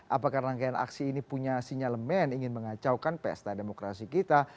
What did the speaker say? apakah rangkaian aksi ini punya sinyalemen ingin mengacaukan pesta demokrasi kita